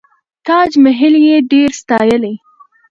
تاج محل یې ډېر ستایلی.